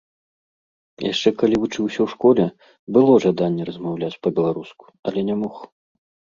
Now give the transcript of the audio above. Яшчэ калі вучыўся ў школе, было жаданне размаўляць па-беларуску, але не мог.